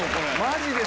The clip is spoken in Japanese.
マジで。